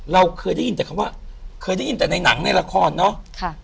เราเคยได้ยินแต่คำว่าเคยได้ยินแต่ในหนังในละครเนาะ